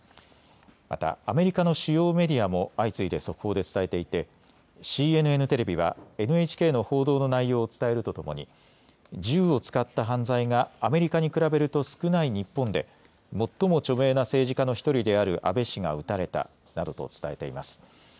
また、アメリカの主要メディアも相次いで速報で伝えていてＣＮＮテレビは、ＮＨＫの報道の内容を伝えるとともに銃を使った犯罪がアメリカに比べると少ない日本で最も著名な政治家の１人である安倍氏が撃たれたなどと伝えています。